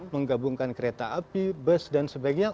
menggabungkan kereta api bus dan sebagainya